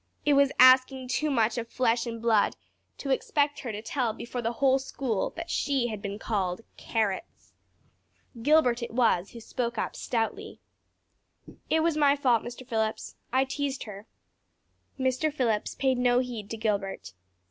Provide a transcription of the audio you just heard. It was asking too much of flesh and blood to expect her to tell before the whole school that she had been called "carrots." Gilbert it was who spoke up stoutly. "It was my fault Mr. Phillips. I teased her." Mr. Phillips paid no heed to Gilbert.